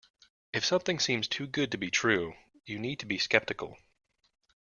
If something seems too good to be true, you need to be sceptical.